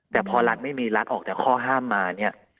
แต่พอรัฐไม่มีรัฐออกจากข้อห้ามมาเนี่ย